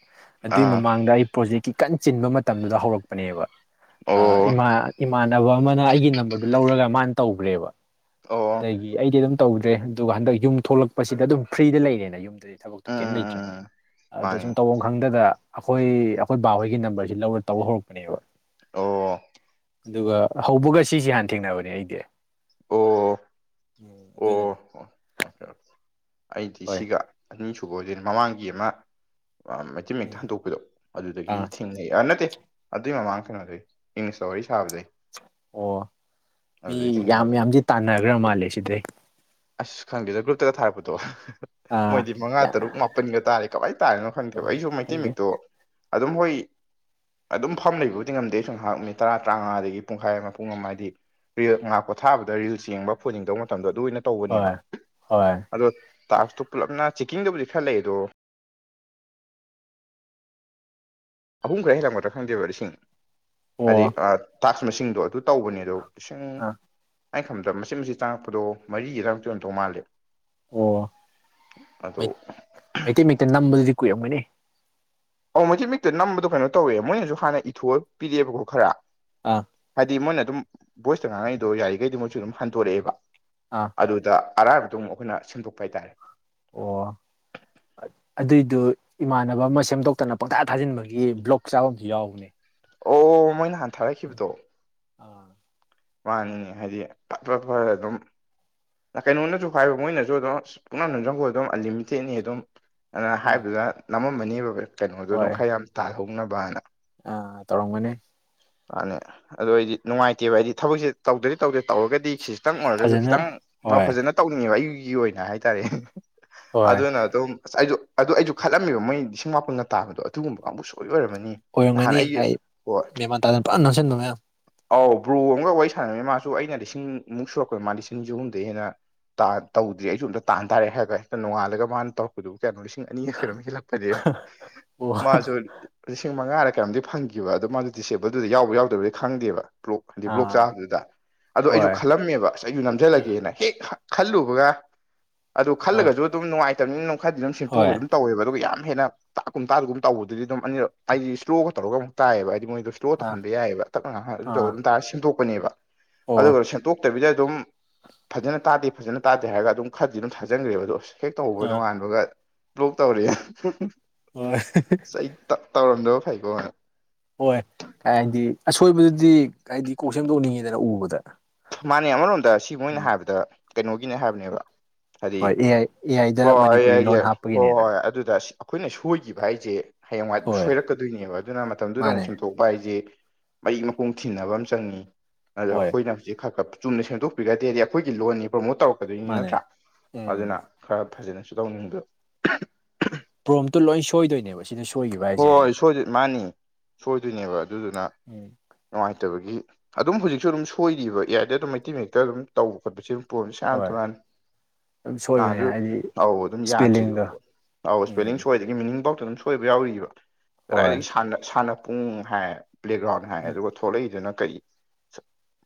Speaker 1: ꯑ
Speaker 2: ꯑꯗꯨꯏ ꯃꯃꯥꯡꯗ ꯑꯩ ꯄ꯭ꯔꯣꯖꯦꯛꯀꯤ ꯀꯟꯅ ꯆꯤꯟꯕ ꯃꯇꯝꯗꯨꯗ ꯍꯧꯔꯛꯄꯅꯦꯕ ꯥ
Speaker 1: ꯑꯣ
Speaker 2: ꯏꯃꯥꯟꯅꯕ ꯑꯃꯅ ꯑꯩꯒꯤ ꯅꯝꯕꯔꯗꯨ ꯂꯧꯔꯒ ꯃꯥꯅ ꯇꯧꯈ꯭ꯔꯦꯕ
Speaker 1: ꯑꯣ
Speaker 2: ꯑꯗꯒꯤ ꯑꯩꯗꯤ ꯑꯗꯨꯝ ꯇꯧꯗ꯭ꯔꯦ ꯑꯗꯨꯒ ꯍꯟꯗꯛ ꯌꯨꯝ ꯊꯣꯛꯂꯛꯄꯁꯤꯗ ꯑꯗꯨꯝ ꯐ꯭ꯔꯤꯗ ꯂꯩꯔꯦꯅ ꯌꯨꯝꯗꯗꯤ ꯊꯕꯛꯇꯨ
Speaker 1: ꯎꯝ
Speaker 2: ꯀꯩꯝ ꯂꯩꯇ꯭ꯔꯅꯤꯅ
Speaker 1: ꯎꯝ
Speaker 2: ꯑꯗ ꯁꯨꯝ
Speaker 1: ꯃꯥꯅꯦ
Speaker 2: ꯇꯧ ꯈꯪꯗꯗ ꯑꯩꯈꯣꯏ ꯑꯩꯈꯣꯏ ꯕꯥꯍꯣꯏꯒꯤ ꯅꯝꯕꯔꯁꯤ ꯂꯧꯔ ꯇꯧꯕ ꯍꯧꯔꯛꯄꯅꯦꯕ
Speaker 1: ꯑꯣ
Speaker 2: ꯑꯗꯨꯒ ꯍꯧꯕꯒ ꯁꯤꯁꯦ ꯍꯥꯟꯅ ꯊꯦꯡꯅꯕꯅꯦ ꯑꯩꯗꯤ
Speaker 1: ꯑꯣ ꯑꯣ
Speaker 2: ꯎꯝ
Speaker 1: ꯑꯣ ꯑꯣ
Speaker 2: ꯑꯗꯨꯅꯅꯤ
Speaker 1: ꯑꯣꯀꯦ ꯑꯣꯀꯦ ꯑꯩꯗꯤ
Speaker 2: ꯍꯣꯏ
Speaker 1: ꯁꯤꯒ ꯑꯅꯤꯁꯨꯕꯖꯤ ꯃꯃꯥꯡꯒꯤ ꯑꯃ ꯃꯩꯇꯩ
Speaker 2: ꯎꯝ
Speaker 1: ꯃꯌꯦꯛꯇ ꯍꯟꯗꯣꯛꯄꯗꯣ ꯑꯗꯨꯗꯒꯤ
Speaker 2: ꯑꯥ
Speaker 1: ꯊꯦꯡꯅ ꯑꯩ ꯅꯠꯇꯦ ꯑꯗꯨꯏ ꯃꯃꯥꯡ ꯀꯩꯅꯣꯗꯩꯩ ꯏꯪꯂꯤꯁꯇ ꯋꯥꯔꯤ ꯁꯥꯕꯗꯩ
Speaker 2: ꯑꯣ ꯃꯤ
Speaker 1: ꯑꯗꯨꯗꯩ
Speaker 2: ꯌꯥꯝ
Speaker 1: ꯊꯦꯡꯅꯕꯅꯤ
Speaker 2: ꯌꯥꯝꯗꯤ ꯇꯥꯟꯅꯈ꯭ꯔ ꯃꯥꯜꯂꯦ ꯁꯤꯗꯩ
Speaker 1: ꯑꯁ ꯈꯪꯗꯦꯗ ꯒ꯭ꯔꯨꯞꯇꯒ ꯊꯥꯔꯛꯄꯗꯣ
Speaker 2: ꯑꯥ
Speaker 1: ꯃꯣꯏꯗꯤ ꯃꯉꯥ
Speaker 2: ꯌꯥꯝ
Speaker 1: ꯇꯔꯨꯛ ꯃꯥꯄꯟꯒ ꯇꯥꯔꯦ ꯀꯃꯥꯏꯅ ꯇꯥꯔꯤꯅꯣ ꯈꯪꯗꯦꯕ
Speaker 2: ꯍꯣꯏ
Speaker 1: ꯑꯩꯁꯨ ꯃꯩꯇꯩ
Speaker 2: ꯈꯪꯗꯦ
Speaker 1: ꯃꯛꯇꯣ ꯑꯗꯨꯝ ꯍꯣꯏ ꯑꯗꯨꯝ ꯐꯝ ꯂꯩꯕꯕꯨꯗꯤ ꯉꯝꯗꯦ ꯑꯩ ꯁꯪ ꯉꯥꯏꯍꯥꯛ ꯅꯨꯃꯤꯠ ꯇꯔꯥ ꯇꯔꯥꯃꯉꯥꯗꯒꯤ ꯄꯨꯡꯈꯥꯏ ꯑꯃ ꯄꯨꯡ ꯑꯃ ꯍꯥꯏꯗꯤ ꯔꯤꯜ ꯉꯥꯛ ꯄꯣꯊꯥꯕꯗ ꯔꯤꯜꯁ ꯌꯦꯡꯕ ꯐꯣꯟ ꯌꯦꯡꯗꯧꯕ ꯃꯇꯝꯗꯣ ꯑꯗꯨ ꯑꯣꯏꯅ ꯇꯧꯕꯅꯦꯕ
Speaker 2: ꯍꯣꯏ ꯍꯣꯏ
Speaker 1: ꯑꯗꯣ ꯇꯇꯣ ꯄꯨꯂꯞꯅ ꯆꯦꯛꯀꯤꯡꯗꯕꯨꯗꯤ ꯈꯔ ꯂꯩ ꯑꯗꯣ ꯑꯍꯨꯝ ꯈꯔ ꯍꯦꯜꯂꯛꯄꯗ꯭ꯔꯥ ꯈꯪꯗꯦꯕ ꯂꯤꯁꯤꯡ
Speaker 2: ꯑꯣ
Speaker 1: ꯍꯥꯏꯗꯤ ꯇꯥꯛꯁ ꯃꯁꯤꯡꯗꯣ ꯑꯗꯨ ꯇꯧꯕꯅꯦ ꯑꯗꯣ ꯏꯁꯤꯡ
Speaker 2: ꯑꯥ
Speaker 1: ꯑꯩꯅ ꯈꯪꯗꯕ ꯃꯆꯦꯠ ꯃꯆꯛ ꯆꯪꯉꯛꯄꯗꯣ ꯃꯔꯤꯒꯤꯗꯔꯃꯨꯛꯇ ꯑꯣꯏꯅ ꯇꯧ ꯃꯥꯜꯂꯦ
Speaker 2: ꯑꯣ
Speaker 1: ꯑꯗꯣ
Speaker 2: ꯃꯩꯇꯩ ꯃꯌꯦꯛꯇ ꯅꯝꯕꯗꯨꯗꯤ ꯀꯨꯏꯔꯝꯒꯅꯤ
Speaker 1: ꯑꯣ ꯃꯁꯤ ꯃꯤꯛꯇ ꯅꯝꯕꯗꯣ ꯀꯩꯅꯣ ꯇꯧꯋꯦ ꯃꯣꯏꯅꯁꯨ ꯍꯥꯟꯅ ꯏꯊꯣ ꯄꯤꯔꯛꯑꯦꯕꯀꯣ ꯈꯔ
Speaker 2: ꯑꯥ
Speaker 1: ꯍꯥꯏꯗꯤ ꯃꯣꯏꯅ ꯑꯗꯨꯝ ꯚꯣꯏꯁꯇ ꯉꯥꯡꯉꯛꯏꯗꯣ ꯌꯥꯔꯤꯈꯩꯗꯤ ꯃꯣꯏꯁꯨ ꯑꯗꯨꯝ ꯍꯟꯗꯣꯔꯛꯑꯦꯕ
Speaker 2: ꯑꯥ
Speaker 1: ꯑꯗꯨꯗ ꯑꯔꯥꯏꯕꯗꯨ ꯑꯃꯨꯛ ꯑꯩꯈꯣꯏꯅ ꯁꯦꯝꯗꯣꯛꯄ ꯍꯥꯏꯇꯥꯔꯦ
Speaker 2: ꯑꯣ
Speaker 1: (inaudible)
Speaker 2: ꯑꯗꯨꯏꯗꯨ ꯏꯃꯥꯟꯅꯕ ꯑꯃ ꯁꯦꯝꯗꯣꯛꯇꯅ ꯄꯪꯊꯥ ꯊꯥꯖꯤꯟꯕꯒꯤ ꯕ꯭ꯂꯣꯛ ꯆꯥꯕ ꯑꯃꯁꯨ ꯌꯥꯎꯕꯅꯦ
Speaker 1: ꯑꯣ ꯃꯣꯏ ꯅꯍꯥꯟ ꯊꯥꯔꯛꯈꯤꯕꯗꯣ
Speaker 2: ꯑꯥ
Speaker 1: ꯃꯥꯅꯤꯅꯦ ꯍꯥꯏꯗꯤ ꯐꯇ ꯐꯠ ꯐꯥꯠ ꯑꯗꯨꯝ ꯀꯩꯅꯣꯗꯁꯨ ꯍꯥꯏꯕ ꯃꯣꯏꯅꯁꯨ ꯑꯗꯨꯝ ꯄꯛꯅꯥ ꯅꯨꯡꯖꯪꯈꯣꯏ ꯑꯗꯨꯝ ꯑꯟꯂꯤꯃꯤꯇꯦꯠꯅꯤ ꯑꯗꯨꯝ ꯑꯗꯨꯅ
Speaker 2: ꯎꯝ
Speaker 1: ꯍꯥꯏꯕꯗ ꯅꯝꯃꯝꯃꯅꯦꯕ ꯀꯩꯅꯣꯗꯅ
Speaker 2: ꯍꯣꯏ
Speaker 1: ꯈꯔ ꯌꯥꯝ ꯇꯥꯍꯧꯅꯕꯅ
Speaker 2: ꯑꯥ ꯇꯧꯔꯝꯒꯅꯦ
Speaker 1: ꯃꯥꯅꯦ ꯑꯗꯨ ꯑꯩꯗꯤ ꯅꯨꯡꯉꯥꯏꯇꯦꯕ ꯍꯥꯏꯗꯤ ꯊꯕꯛꯁꯦ ꯇꯧꯗꯗꯤ ꯇꯧꯗꯦ ꯇꯧꯔꯒꯗꯤ ꯁꯤꯁꯇꯪ ꯑꯣꯏꯔꯒꯁꯨ
Speaker 2: ꯐꯖꯅ
Speaker 1: ꯈꯤꯇꯪ
Speaker 2: ꯍꯣꯏ
Speaker 1: ꯐꯖꯅ ꯇꯧꯅꯤꯡꯉꯦꯕ ꯑꯩꯒꯤ ꯑꯣꯏꯅ ꯍꯥꯏꯇꯥꯔꯦ
Speaker 2: ꯍꯣꯏ
Speaker 1: ꯑꯗꯨꯅ ꯑꯗꯨꯝ ꯑꯩꯁꯨ ꯑꯗꯨꯗ ꯑꯩꯁꯨ ꯈꯠꯂꯝꯃꯦꯕ ꯃꯣꯏ ꯂꯤꯁꯤꯡ ꯃꯥꯄꯜꯒ ꯇꯥꯕꯗꯣ ꯑꯗꯨꯒꯨꯝꯕ ꯀꯥꯡꯕꯨ ꯁꯣꯏ ꯑꯣꯏꯔꯝꯅꯤ
Speaker 2: ꯑꯣꯏꯔꯝꯒꯅꯤ ꯍꯥꯏ ꯃꯃꯥꯟ ꯇꯥꯗꯅ ꯐꯖꯅ ꯅꯝꯁꯤꯟꯕ ꯃꯌꯥꯝ
Speaker 1: ꯑꯧ ꯕꯔꯣ ꯑꯃꯒ ꯋꯥꯔꯤ ꯁꯥꯟꯅꯈꯤ ꯃꯥꯁꯨ ꯑꯩꯅ ꯂꯤꯁꯤꯡꯃꯨꯛ ꯁꯨꯔꯛꯄꯣꯏ ꯃꯥ ꯂꯤꯁꯤꯡꯁ ꯑꯍꯨꯝꯗꯩ ꯍꯦꯟꯅ ꯇ ꯇꯧꯗꯦ ꯑꯩꯁꯨ ꯑꯃꯝꯇ ꯇꯥꯟ ꯇꯥꯔꯦ ꯍꯥꯏꯕ ꯍꯦ ꯅꯣꯡꯉꯥꯜꯂ ꯃꯥꯅ ꯇꯧꯛꯄꯗꯨ ꯀꯩꯅꯣ ꯂꯤꯁꯤꯡ ꯑꯅꯤꯒ ꯀꯩꯅꯣꯝ ꯍꯂꯛꯄ ꯐ
Speaker 2: ꯑꯣ
Speaker 1: ꯃꯥꯁꯨ ꯂꯤꯁꯤꯡ ꯃꯉꯥꯔ ꯀꯩꯅꯝꯗꯤ ꯐꯪꯈꯤꯕ ꯑꯗꯣ ꯃꯥꯗꯨ ꯗꯤꯑꯦꯕꯜꯗꯨꯗꯗꯤ ꯌꯥꯎꯕ ꯌꯥꯎꯗꯕꯗꯤ ꯈꯪꯗꯦꯕ ꯕꯂꯣꯛ ꯑꯗꯤ ꯕ꯭ꯂꯣꯛ
Speaker 2: ꯑꯥ
Speaker 1: ꯆꯥꯕꯗꯨꯗ ꯑꯗꯣ ꯑꯩꯁꯨ
Speaker 2: ꯍꯣꯏ
Speaker 1: ꯈꯜꯂꯝꯃꯦꯕ ꯑꯁ ꯑꯩꯁꯨ ꯅꯝꯁꯤꯜꯂꯒꯦꯅ ꯍꯦꯛ ꯈꯜꯂꯨꯕꯒ ꯑꯗꯨ
Speaker 2: ꯑꯥ
Speaker 1: ꯈꯜꯂꯒꯁꯨ ꯑꯗꯨꯝ ꯅꯨꯡꯉꯥꯏꯇꯕꯅꯤꯅ ꯅꯝ ꯈꯔꯗꯤ ꯑꯗꯨꯝ
Speaker 2: ꯍꯣꯏ
Speaker 1: ꯁꯤꯦꯡꯠꯇꯣꯛꯑꯒ ꯑꯗꯨꯝ ꯇꯧꯋꯦꯕ ꯑꯗꯨꯒ ꯌꯥꯝ ꯍꯦꯟꯅ ꯇꯥꯛꯀꯨꯝ ꯇꯥꯛꯒꯨꯝ ꯇꯧꯕꯗꯨꯗꯤ ꯑꯗꯨꯝ ꯑꯅꯤ ꯍꯥꯏꯗꯤ ꯏꯁ꯭ꯂꯣꯒ ꯇꯧꯔꯒ ꯑꯃꯨꯛ ꯇꯥꯏꯌꯦꯕ ꯍꯥꯏꯗꯤ ꯃꯣꯏꯗ ꯏꯁ꯭ꯂꯣ
Speaker 2: ꯑꯥ
Speaker 1: ꯇꯧꯍꯟꯕ ꯌꯥꯏꯑꯕ ꯇꯛꯅ ꯉꯍ ꯑꯗꯨꯗꯒ
Speaker 2: ꯑꯥ
Speaker 1: ꯑꯗꯨꯝ ꯇꯥꯔꯒ ꯁ ꯁꯦꯝꯗꯣꯛꯄꯅꯦꯕ
Speaker 2: ꯑꯣ
Speaker 1: ꯑꯗꯨꯒ ꯁꯦꯝꯇꯣꯛ ꯐꯠꯇꯕꯤꯗ ꯑꯗꯨꯝ ꯐꯖꯅ ꯇꯥꯗꯦ ꯐꯖꯅ ꯇꯥꯗꯦ ꯍꯥꯏꯔꯒ ꯑꯗꯨꯝ ꯈꯔꯗꯤ ꯑꯗꯨꯝ ꯊꯥꯖꯤꯟꯈ꯭ꯔꯦꯕ ꯑꯗꯣ ꯑꯁ ꯍꯦꯛ ꯇꯧꯍꯧꯕ
Speaker 2: ꯑꯥ
Speaker 1: ꯅꯣꯉꯥꯟꯕꯒ ꯕ꯭ꯂꯣꯛ ꯇꯧꯔꯦ
Speaker 2: ꯍꯣꯏ
Speaker 1: ꯑꯁ ꯑꯩ ꯇꯧꯔꯝꯗꯕ ꯐꯩꯀꯣ
Speaker 2: ꯍꯣꯏ ꯍꯥꯏꯗꯤ ꯑꯁꯣꯏꯕꯗꯨꯗꯤ ꯍꯥꯏꯗꯤ ꯀꯣꯛ ꯁꯦꯝꯗꯣꯛꯅꯤꯡꯉꯤꯗꯅ ꯎꯕꯗ
Speaker 1: ꯃꯥꯅꯦ ꯑꯃꯔꯣꯝꯗ ꯁꯤ ꯃꯣꯏꯅ
Speaker 2: ꯎꯝ
Speaker 1: ꯍꯥꯏꯕꯗ ꯀꯩꯅꯣꯒꯤꯅꯦ ꯍꯥꯏꯕꯅꯦꯕ ꯍꯥꯏꯗꯤ
Speaker 2: ꯍꯣꯏ ꯑꯦ ꯑꯥꯏ ꯑꯦ ꯑꯥꯏꯗ
Speaker 1: ꯍꯣꯏ
Speaker 2: ꯃꯅꯤꯄꯨꯔꯤ
Speaker 1: ꯑꯩꯦꯒꯦ
Speaker 2: ꯂꯣꯟ
Speaker 1: ꯍꯣꯏ ꯍꯣꯏ
Speaker 2: ꯍꯥꯞꯄꯒꯤꯅꯦꯅ
Speaker 1: ꯍꯣꯏ ꯑꯗꯨꯗ ꯑꯩꯈꯣꯏꯅ ꯁꯣꯏꯈꯤꯕ ꯍꯥꯏꯁꯦ ꯍꯌꯦꯡꯋꯥ
Speaker 2: ꯍꯣꯏ
Speaker 1: ꯁꯣꯏꯔꯛꯀꯗꯣꯏꯅꯦꯕ ꯑꯗꯨꯅ ꯃꯇꯝꯗꯨꯗ ꯑꯃꯨꯛ
Speaker 2: ꯃꯥꯅꯦ
Speaker 1: ꯁꯦꯝꯗꯣꯛ ꯎꯄꯥꯏꯁꯦ ꯃꯩ ꯃꯄꯨꯡ ꯊꯤꯅꯕ ꯑꯃ ꯆꯪꯏꯤ ꯑꯗ
Speaker 2: ꯍꯣꯏ
Speaker 1: ꯑꯩꯈꯣꯏꯅ ꯍꯧꯖꯤꯛ ꯈꯔ ꯈ ꯆꯨꯝꯅ ꯁꯦꯡꯗꯣꯛꯄꯤꯒꯗꯦꯗꯤ ꯑꯩꯈꯣꯏꯒꯤ ꯂꯣꯟꯅꯤ ꯄ꯭ꯔꯣꯃꯣꯠ ꯇꯧꯔꯛꯀꯗꯣꯏꯅꯤ
Speaker 2: ꯃꯥꯅꯦ
Speaker 1: ꯅꯠꯇ꯭ꯔꯥ
Speaker 2: ꯎꯝ
Speaker 1: ꯑꯗꯨꯅ ꯈꯔ ꯐꯖꯅꯁꯨ ꯇꯧꯅꯤꯡꯕ
Speaker 2: ꯄ꯭ꯔꯣꯝꯇꯨ ꯂꯣꯏ ꯁꯣꯏꯗꯣꯏꯅꯦꯕ ꯁꯤꯗ ꯁꯣꯏꯈꯤꯕ ꯍꯥꯏꯁꯦ
Speaker 1: ꯍꯣꯏ
Speaker 2: ꯍꯌꯦꯡ
Speaker 1: ꯍꯣꯏꯣꯏ ꯃꯥꯅꯤ ꯁꯣꯏꯗꯣꯏꯅꯦꯕ ꯑꯗꯨꯗꯨꯅ
Speaker 2: ꯎꯝ
Speaker 1: ꯅꯨꯡꯉꯥꯏꯇꯕꯒꯤ ꯑꯗꯨꯝ ꯍꯧꯖꯤꯛꯁꯨ ꯑꯗꯨꯝ ꯁꯣꯏꯔꯤꯕ ꯏꯌꯥꯏꯗ ꯑꯗꯨꯝ ꯃꯩꯇꯩ ꯃꯦꯛꯇ ꯑꯗꯨꯝ ꯇꯧꯕ ꯈꯣꯠꯄꯁ ꯄ ꯁꯥꯟ
Speaker 2: ꯍꯣꯏ
Speaker 1: ꯇꯨꯔꯥꯟ
Speaker 2: ꯑꯗꯨꯝ
Speaker 1: ꯑ
Speaker 2: ꯁꯣꯏꯕꯅꯦ
Speaker 1: ꯑꯗꯨ
Speaker 2: ꯍꯥꯏꯗꯤ
Speaker 1: ꯑꯧ ꯑꯗꯨꯝ ꯌꯥꯗ꯭ꯔꯤꯔꯤꯕ
Speaker 2: ꯏꯁꯄꯦꯂꯤꯡꯗꯣ
Speaker 1: ꯄꯣꯠ ꯑꯧ
Speaker 2: ꯎꯝ
Speaker 1: ꯏꯁꯄꯦꯂꯤꯡ ꯁꯣꯏꯗ ꯒꯤ ꯃꯤꯅꯤꯡ ꯄꯥꯎꯇ ꯑꯗꯨꯝ ꯁꯣꯏꯕ ꯌꯥꯎꯔꯤꯕ
Speaker 2: ꯍꯣꯏ
Speaker 1: ꯀꯗꯥꯏꯗꯒꯤ ꯁꯥꯟꯅꯄꯨꯡ ꯍꯥꯏꯔ ꯄ꯭ꯂꯦꯒ꯭ꯔꯥꯎꯟ ꯍꯥꯏꯔ ꯑꯗꯨꯒ ꯊꯣꯛꯂꯛꯏꯗꯨꯅ ꯀꯔꯤ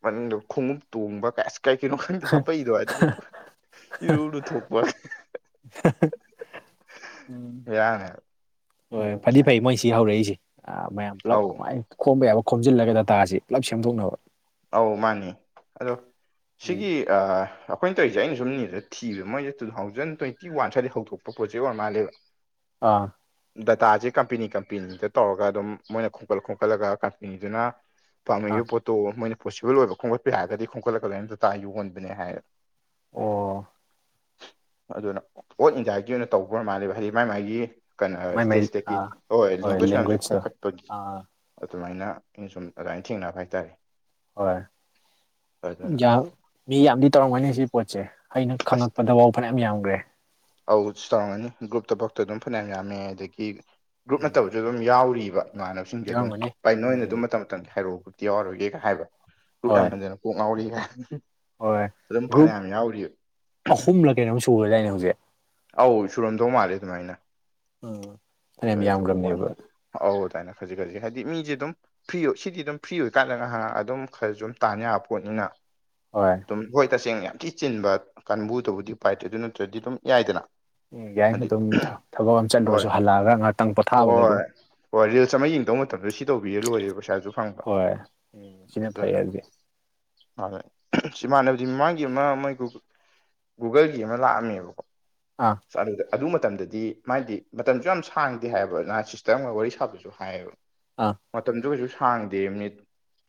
Speaker 1: ꯃꯅꯨꯡꯗ ꯈꯣꯡꯎꯞ ꯇꯣꯡꯕ ꯀ ꯀꯩ ꯀꯩꯅꯣ ꯈꯪꯗꯦ ꯍꯥꯄꯛꯏꯗꯣ ꯍꯥꯏꯒꯤ ꯏꯔꯨ ꯂꯨ ꯊꯣꯛꯄ
Speaker 2: ꯎꯝ
Speaker 1: ꯌꯥꯅꯦ
Speaker 2: ꯍꯣꯏ
Speaker 1: ꯎꯝ
Speaker 2: ꯐꯗꯤ ꯐꯩ ꯃꯣꯏꯁꯤ ꯍꯧꯔꯛꯏꯁꯦ ꯑ ꯃꯌꯥꯝ
Speaker 1: ꯑꯧ
Speaker 2: ꯄꯨꯂꯞꯃꯥꯏꯅ ꯈꯣꯝꯕ ꯌꯥꯕ ꯈꯣꯝꯖꯤꯜꯂꯒ ꯗꯇꯥꯁꯤꯦ ꯄꯨꯂꯞ ꯁꯦꯝꯗꯣꯛꯅꯕ
Speaker 1: ꯑꯧ ꯃꯥꯅꯦ ꯑꯗꯣ
Speaker 2: ꯎꯝ
Speaker 1: ꯁꯤꯒꯤ ꯑꯥ ꯑꯩꯈꯣꯏꯅ ꯇꯧꯖꯦ ꯑꯩꯅ ꯁꯨꯝ ꯅꯦꯇ ꯊꯤꯕ ꯃꯣꯏꯖꯦ ꯇꯨ ꯊꯥꯎꯖꯟ ꯇ꯭ꯋꯦꯟꯇꯤ ꯋꯥꯟ ꯁ꯭ꯋꯥꯏꯗꯩ ꯍꯧꯗꯣꯛꯄ ꯄ꯭ꯔꯣꯖꯦꯛ ꯋꯥꯛ ꯃꯥꯜꯂꯦꯕ (inaudible)
Speaker 2: ꯑꯥ
Speaker 1: ꯗꯥꯇꯥꯖꯦ ꯀꯝꯄꯦꯅꯤ ꯀꯝꯄꯦꯅꯤꯗ ꯇꯧꯔꯒ ꯑꯗꯨꯝ ꯃꯣꯏꯅ ꯈꯣꯝꯀꯠ ꯈꯣꯝꯀꯠꯂꯒ ꯀꯝꯄꯦꯅꯤꯗꯨꯅ
Speaker 2: ꯑꯥ
Speaker 1: ꯄꯥꯝꯅꯩꯕ ꯄꯣꯠꯇꯣ ꯃꯣꯏꯅ ꯄꯣꯁꯤꯕꯜ ꯑꯣꯏꯕ ꯈꯣꯝꯒꯠꯄꯥ ꯌꯥꯔꯒꯗꯤ ꯈꯣꯝꯠꯂꯒ ꯂꯥꯏꯌꯣꯟ ꯗꯥꯇꯥ ꯌꯣꯟꯕꯅꯦ ꯍꯥꯏꯌꯦꯕ
Speaker 2: ꯑꯣ
Speaker 1: ꯑꯗꯨꯅ ꯑꯣꯜ ꯏꯟꯗꯤꯌꯥꯒꯤ ꯑꯣꯏꯅ ꯇꯧꯕ ꯃꯥꯜꯂꯦꯕ ꯍꯥꯏꯗꯤ ꯃꯥ ꯃꯥꯥꯏꯒꯤ
Speaker 2: ꯃꯥꯏ
Speaker 1: ꯀꯟꯍꯥꯔ꯭ꯁ
Speaker 2: ꯃꯥꯏ
Speaker 1: ꯁꯇꯦꯠ ꯁꯇꯦꯠꯀꯤ
Speaker 2: ꯑꯥ
Speaker 1: ꯍꯣꯏ ꯂꯦꯡꯒ꯭ꯋꯦꯖ ꯃꯌꯥꯝꯁꯦ
Speaker 2: ꯂꯦꯡꯒ꯭ꯋꯦꯖꯇꯣ
Speaker 1: ꯈꯣꯝꯈꯠꯄꯒꯤ
Speaker 2: ꯑꯥ
Speaker 1: ꯑꯗꯨꯃꯥꯏꯅ ꯑꯩꯅ ꯁꯨꯝ ꯑꯗꯨꯃꯥꯏꯅ ꯊꯦꯡꯅꯕ ꯍꯥꯏꯇꯥꯔꯦ
Speaker 2: ꯍꯣꯏ
Speaker 1: ꯑꯗꯨꯅ
Speaker 2: ꯌꯥꯝ ꯃꯤ ꯌꯥꯝꯗꯤ ꯇꯧꯔꯝꯒꯅꯤ ꯁꯤ ꯄꯣꯠꯁꯦ ꯑꯩꯅ
Speaker 1: ꯑꯁ
Speaker 2: ꯈꯪꯉꯛꯄꯗ ꯕꯥꯎ ꯐꯅꯌꯥꯝ ꯌꯥꯝꯒ꯭ꯔꯦ
Speaker 1: ꯑꯧ ꯆꯥꯎꯔꯝꯒꯅꯤ ꯒ꯭ꯔꯨꯞꯇꯕꯥꯎꯛꯇ ꯑꯗꯨꯝ ꯐꯅꯌꯥꯝ ꯌꯥꯝꯃꯦ ꯑꯗꯒꯤ ꯒ꯭ꯔꯨꯞ
Speaker 2: ꯎꯝ
Speaker 1: ꯅꯠꯇ ꯑꯗꯨꯝ ꯌꯥꯎꯔꯤꯕ ꯏꯃꯥꯟꯅꯕꯁꯤꯡꯖꯦ ꯑꯗꯨꯝ
Speaker 2: ꯌꯥꯎꯔꯝꯒꯅꯤ
Speaker 1: ꯑꯩ ꯅꯣꯏꯅ ꯑꯗꯨ
Speaker 2: ꯎꯝ
Speaker 1: ꯃꯇꯝ ꯇꯪꯒꯤ ꯍꯥꯏꯔꯛꯑꯣ ꯒꯔ꯭ꯨꯞꯇꯤ ꯌꯥꯎꯔꯣꯏꯒꯦꯒ ꯍꯥꯏꯕ ꯄꯨꯠ
Speaker 2: ꯍꯣꯏ
Speaker 1: ꯌꯥꯝꯃꯟꯗꯅ ꯀꯣꯛ ꯉꯥꯎꯔꯤꯒ
Speaker 2: ꯍꯣꯏ
Speaker 1: ꯑꯗꯨꯝ
Speaker 2: ꯒ꯭ꯔꯨꯞ
Speaker 1: ꯐꯅꯌꯥꯝ ꯌꯥꯎꯔꯤꯕ
Speaker 2: ꯑꯍꯨꯝꯂꯥ ꯀꯩꯅꯣꯝ ꯁꯨꯒ꯭ꯔꯥ ꯌꯥꯏꯅꯦ ꯍꯧꯖꯤꯛ
Speaker 1: ꯑꯧ ꯁꯨꯔꯝꯗꯣ ꯃꯥꯜꯂꯦ ꯑꯗꯨꯃꯥꯏꯅ
Speaker 2: ꯑꯥ
Speaker 1: ꯑꯗꯣ
Speaker 2: ꯐꯅꯌꯥꯝ
Speaker 1: ꯑꯩꯁꯨ ꯑꯣꯛ ꯋꯥꯅꯤ
Speaker 2: ꯌꯥꯝꯒ꯭ꯔꯝꯅꯦꯕ
Speaker 1: ꯑꯧ ꯑꯗꯨꯥꯏꯅ ꯈꯖꯤꯛ ꯈꯖꯤꯛ ꯍꯥꯏꯗꯤ ꯃꯤꯖꯦ ꯑꯗꯨꯝ ꯐ꯭ꯔꯤ ꯑꯣꯏ ꯁꯤꯗꯤ ꯑꯗꯨꯝ ꯐ꯭ꯔꯤ ꯑꯣꯏ ꯀꯥꯟꯗꯒ ꯉꯍꯥꯛ ꯉꯥ ꯑꯗꯨꯝ ꯈꯔꯖꯨ ꯑꯗꯨꯝ ꯇꯥꯟ ꯌꯥ ꯄꯣꯠꯅꯤꯅ
Speaker 2: ꯍꯣꯏ
Speaker 1: ꯑꯗꯨꯝ ꯍꯣꯏ ꯇꯁꯦꯡ ꯌꯥꯝ ꯊꯤ ꯆꯤꯟꯕ ꯀꯥꯡꯕꯨꯗꯕꯨꯗꯤ ꯄꯥꯏꯗ꯭ꯔꯦ ꯑꯗꯨ ꯅꯠꯇ꯭ꯔꯗꯤ ꯑꯗꯨꯝ ꯌꯥꯏꯗꯅ
Speaker 2: ꯎꯝ ꯌꯥꯏ
Speaker 1: ꯍꯥꯏꯗꯤ
Speaker 2: ꯑꯗꯨꯝ ꯊꯕꯛ ꯑꯃ
Speaker 1: ꯍꯣꯏ
Speaker 2: ꯆꯠꯂꯨꯔꯁꯨ ꯍꯜꯂꯛꯑꯒ ꯉꯥꯏꯍꯥꯛꯇꯪ ꯄꯣꯊꯥꯕꯗ ꯑꯗꯨꯝ
Speaker 1: ꯍꯣꯏ ꯍꯣꯏ ꯔꯤꯜꯁ ꯑꯃ ꯌꯦꯡꯗꯧ ꯃꯇꯝꯗ ꯁꯤ ꯇꯧꯕꯤꯔꯦ ꯂꯣꯏꯔꯦ ꯄꯩꯁꯥꯁꯨ ꯐꯪꯕ
Speaker 2: ꯍꯣꯏ ꯎꯝ ꯁꯤꯅ ꯐꯩ
Speaker 1: ꯑꯗꯨꯅ
Speaker 2: ꯑꯗꯨꯗꯤ
Speaker 1: ꯍꯥꯡꯉꯦ ꯁꯤꯃꯥꯟꯅꯕꯗꯤ ꯃꯃꯥꯡꯒꯤ ꯑꯃ ꯃꯣꯏ ꯒꯨꯒꯨ ꯒꯨꯒꯜꯒꯤ ꯑꯃ ꯂꯥꯛꯑꯝꯃꯦꯕꯀꯣ
Speaker 2: ꯑꯥ
Speaker 1: ꯑꯁ ꯑꯗꯨꯗ ꯑꯗꯨ ꯃꯇꯝꯗꯗꯤ ꯃꯥꯏꯗꯤ ꯃꯇꯝꯁꯨ ꯌꯥꯝ ꯁꯥꯡꯗꯦ ꯍꯥꯏꯌꯦꯕ ꯅ ꯁꯤꯁꯇꯔ ꯑꯃꯒ ꯋꯥꯔꯤ ꯁꯥꯕꯁꯨ ꯍꯥꯏꯌꯦꯕ
Speaker 2: ꯑꯥ
Speaker 1: ꯃꯇꯝꯗꯨ ꯀꯩꯁꯨ ꯁꯥꯡꯗꯦ ꯃꯤꯅꯤꯠ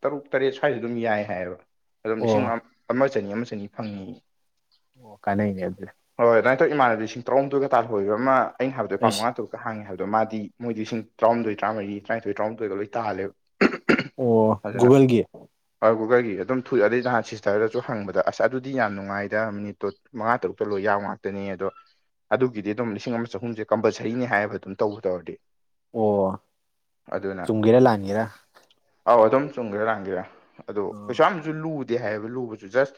Speaker 1: ꯇꯔꯨꯛ ꯇꯔꯦꯠ ꯁ꯭ꯋꯥꯏꯗ ꯑꯗꯨꯝ ꯌꯥꯏ ꯍꯥꯏꯌꯦꯕ ꯑꯗꯨꯝ
Speaker 2: ꯑꯣ
Speaker 1: ꯂꯤꯁꯤꯡ ꯑꯝ ꯑꯃ ꯆꯅꯤ ꯑꯃ ꯆꯅꯤ ꯐꯪꯉꯤ
Speaker 2: ꯑꯣ ꯀꯥꯅꯩꯅꯦ ꯑꯗꯨ
Speaker 1: ꯍꯣꯏ ꯑꯗꯨꯃꯥꯏꯟꯇꯧ ꯏꯃꯅꯕꯤ ꯂꯤꯁꯤꯡ ꯇꯔꯥꯑꯨꯝꯗꯣꯏꯒ ꯇꯥꯜꯍꯧꯏꯌꯦꯕ ꯃꯥ ꯑꯩꯅ ꯍꯥꯏꯕꯗꯣ ꯄꯥꯡ
Speaker 2: ꯑꯩꯁ
Speaker 1: ꯃꯉꯥ ꯇꯧ ꯍꯥꯡꯉꯦ ꯍꯥꯏꯕꯗꯣ ꯃꯥꯗꯤ ꯃꯣꯏꯗꯤ ꯏꯁꯤꯡ ꯇꯔꯥꯍꯨꯝꯗꯣꯏ ꯇꯔꯥꯃꯔꯤ ꯇꯔꯥꯅꯤꯊꯣꯏ ꯇꯔꯥꯍꯨꯝꯗꯣꯏꯒ ꯂꯣꯏ ꯇꯥꯜꯂꯦꯕ
Speaker 2: ꯑꯣ ꯒꯨꯒꯜꯒꯤ
Speaker 1: ꯑꯣ ꯒꯨꯒꯜꯒꯤ ꯑꯗꯨꯝ (unintelligible) ꯑꯗꯩ ꯅꯍꯥꯟ ꯁꯤꯁꯇꯔꯗꯖꯨ ꯍꯪꯕꯗ ꯑꯁ ꯑꯗꯨꯗꯤ ꯌꯥꯝ ꯅꯨꯡꯉꯥꯏꯗ ꯃꯤꯅꯤꯠꯇꯣ ꯃꯉꯥ ꯇꯔꯨꯛꯇ ꯂꯣꯏ ꯌꯥꯝ ꯉꯥꯛꯇꯅꯤ ꯑꯗꯣ ꯑꯗꯨꯒꯤꯗꯤ ꯑꯗꯨꯝ ꯂꯤꯁꯤꯡ ꯑꯃ ꯆꯍꯨꯝꯁꯦ ꯀꯝꯄꯜꯁꯔꯤꯅꯤ ꯍꯥꯏꯕ ꯑꯗꯨꯝ ꯇꯧꯕ ꯇꯧꯔꯗꯤ
Speaker 2: ꯑꯣ ꯆꯨꯝꯒꯦꯔꯥ ꯂꯥꯟꯒꯦꯔꯥ
Speaker 1: ꯑꯥꯎ ꯑꯗꯨꯝ ꯆꯨꯝꯒꯦꯔꯥ ꯂꯥꯟꯒꯦꯔꯥ ꯑꯗꯣ
Speaker 2: ꯑꯣ
Speaker 1: ꯀꯩꯁꯨ ꯌꯥꯝꯖꯨ ꯂꯨꯠ ꯗꯦ ꯍꯥꯏꯕ ꯂꯨꯕꯁꯨ ꯖꯁ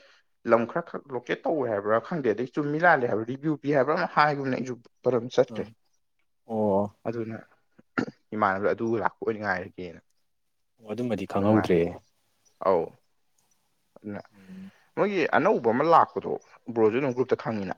Speaker 1: ꯂꯝ ꯈꯔ ꯈꯛ ꯂꯣꯀꯦꯠ ꯇꯧꯋꯦ ꯍꯥꯏꯕ꯭ꯔꯥ ꯈꯪꯗꯦꯗꯩ ꯆꯨꯝꯃꯤ ꯂꯥꯜꯂꯤ ꯍꯥꯏꯕꯗꯤ ꯔꯤꯕꯤꯌꯨ ꯄꯤ ꯍꯥꯏꯕ꯭ꯔ ꯑꯃ ꯍꯥꯏꯒꯨꯝꯅ ꯑꯩꯖꯨ ꯕꯔꯝ ꯆꯠꯈ꯭ꯔꯦ
Speaker 2: ꯑꯣ ꯑꯣ
Speaker 1: ꯑꯗꯨꯅ ꯏꯃꯥꯟꯅꯕꯗ ꯑꯗꯨ ꯂꯥꯛꯄ ꯑꯣꯏꯅ ꯉꯥꯏꯔꯒꯦꯅ
Speaker 2: ꯑꯗꯨꯃꯗꯤ
Speaker 1: ꯅꯨꯡꯉꯥꯏ
Speaker 2: ꯈꯪꯉꯧꯗ꯭ꯔꯦ
Speaker 1: ꯑꯧ ꯑꯗꯨꯅ
Speaker 2: ꯎꯝ
Speaker 1: ꯃꯣꯏꯒꯤ ꯑꯅꯧꯕ ꯑꯃ ꯂꯥꯛꯄꯗꯣ ꯕ꯭ꯔꯣꯖꯨꯗꯨꯝ ꯒ꯭ꯔꯨꯞꯇ ꯈꯪꯉꯤꯅ